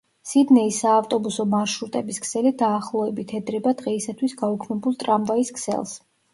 სიდნეის საავტობუსო მარშრუტების ქსელი დაახლოებით ედრება დღეისათვის გაუქმებულ ტრამვაის ქსელს.